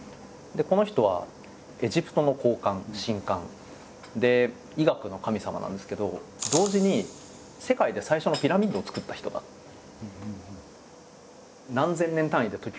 この人はエジプトの高官神官で医学の神様なんですけど同時に世界で最初のピラミッドを作った人だった。